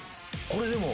これでも。